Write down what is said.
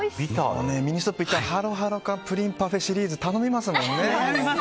ミニストップに行ったらハロハロかプリンパフェシリーズ頼みますもんね。